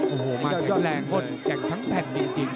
โอ้โหมาแข็งแรงคนแก่งทั้งแผ่นจริง